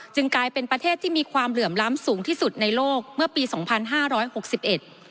กลายเป็นประเทศที่มีความเหลื่อมล้ำสูงที่สุดในโลกเมื่อปีสองพันห้าร้อยหกสิบเอ็ด